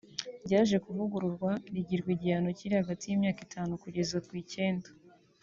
ryaje kuvugururwa rigirwa igihano kiri hagati y’imyaka itanu kugeza ku icyenda